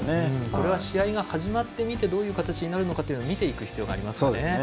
これは試合が始まってみてどういう形になるか見ていく必要がありますね。